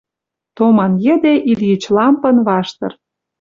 Томан йӹде Ильич лампын ваштыр